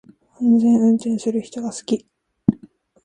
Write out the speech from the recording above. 安全運転する人が好き